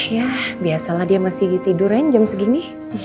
ya biasalah dia masih tidur aja jam segini